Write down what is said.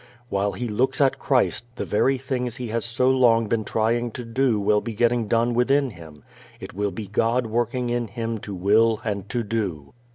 While he looks at Christ the very things he has so long been trying to do will be getting done within him. It will be God working in him to will and to do.